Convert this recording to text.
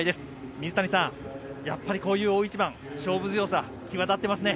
水谷さん、こういう大一番勝負強さ、際立ってますね。